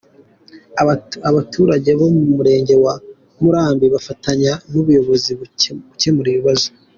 Abaturage bo mu murenge wa Murambi bafatanya n’ubuyobozi gukemura ibibazo.